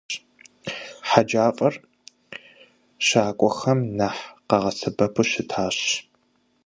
Хъэджафэр щакӀуэхэм нэхъ къагъэсэбэпу щытащ.